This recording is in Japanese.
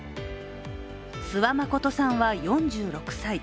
諏訪理さんは、４６歳。